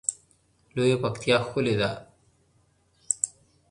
لویه پکتیا ښکلی ده